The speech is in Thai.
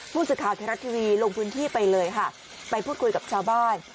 ผู้สื่อข่าวไทยรัฐทีวีลงพื้นที่ไปเลยค่ะไปพูดคุยกับชาวบ้าน